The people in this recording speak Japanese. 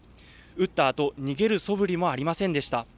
撃ったあと、逃げるそぶりもありませんでした。